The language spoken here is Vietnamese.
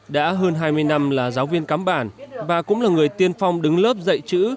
đã hơn hai mươi năm là giáo viên cắm bản và cũng là người tiên phong đứng lớp dạy chữ